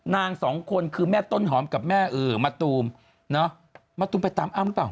นางสองคนคือแม่ต้นหอมกับแม่เออมะตูมเนอะมะตูมไปตามอ้ำหรือเปล่า